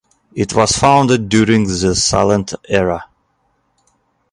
It was founded during the silent era.